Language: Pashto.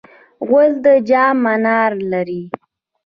غور د جام منار لري